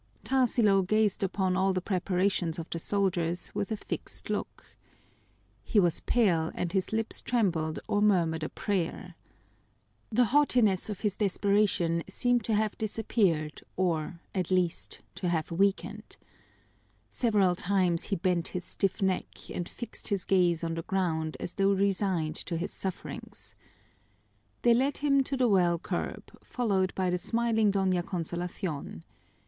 Tarsilo gazed upon all the preparations of the soldiers with a fixed look. He was pale, and his lips trembled or murmured a prayer. The haughtiness of his desperation seemed to have disappeared or, at least, to have weakened. Several times he bent his stiff neck and fixed his gaze on the ground as though resigned to his sufferings. They led him to the well curb, followed by the smiling Doña Consolacion.